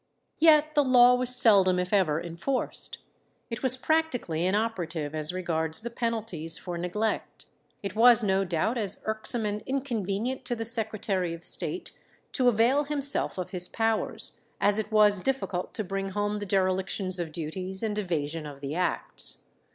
Yet the law was seldom if ever enforced. It was practically inoperative as regards the penalties for neglect. It was no doubt as irksome and inconvenient to the Secretary of State to avail himself of his powers, as it was difficult to bring home the derelictions of duties and evasion of the acts.